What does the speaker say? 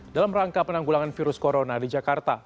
dalam rangka penanggulangan virus corona di jakarta